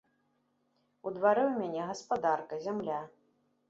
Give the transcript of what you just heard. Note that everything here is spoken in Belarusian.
У дварэ ў мяне гаспадарка, зямля.